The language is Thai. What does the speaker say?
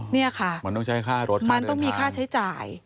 นี่ค่ะมันต้องมีค่าใช้จ่าย